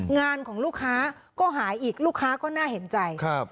งานของลูกค้าก็หายอีกลูกค้าก็น่าเห็นใจครับ